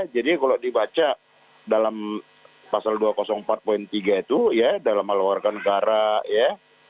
jadi kalau dibaca dalam pasal dua ratus empat tiga itu ya dalam aluarkan gara ya